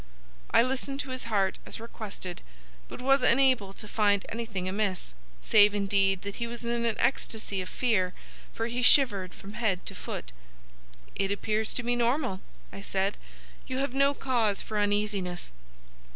I listened to his heart, as requested, but was unable to find anything amiss, save indeed that he was in an ecstasy of fear, for he shivered from head to foot. "It appears to be normal," I said. "You have no cause for uneasiness."